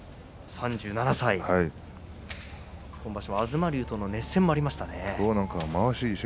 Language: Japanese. ３７歳、今場所は東龍とのいい一番もありました。